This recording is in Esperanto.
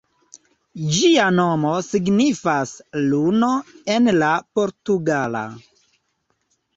Ĝia nomo signifas "luno" en la portugala.